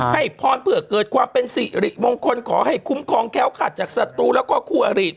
ให้พรเพื่อเกิดความเป็นสิริมงคลขอให้คุ้มครองแค้วขาดจากศัตรูแล้วก็คู่อริ